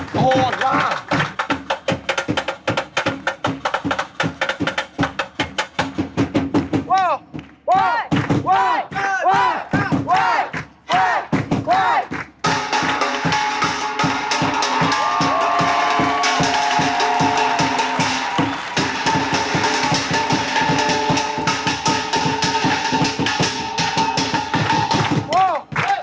โชว์จากปริศนามหาสนุกหมายเลขหนึ่ง